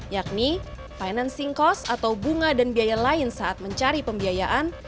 yakni financing cost atau bunga dan biaya lain saat mencari pembiayaan